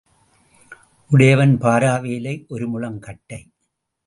உடையவன் பாரா வேலை ஒரு முழம் கட்டை.